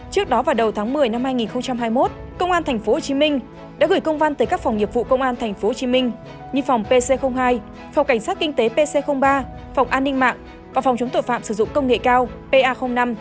trước đó vào đầu tháng một mươi năm hai nghìn hai mươi một công an tp hcm đã gửi công văn tới các phòng nghiệp vụ công an tp hcm như phòng pc hai phòng cảnh sát kinh tế pc ba phòng an ninh mạng và phòng chống tội phạm sử dụng công nghệ cao pa năm